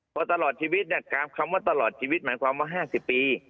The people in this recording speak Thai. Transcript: เพราะตลอดชีวิตคำว่าตลอดชีวิตหมายความว่า๕๐ปี